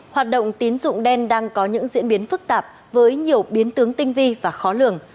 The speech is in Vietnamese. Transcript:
hoạt động tín dụng đen đang có những diễn biến phức tạp với nhiều biến tướng tinh vi và khó lường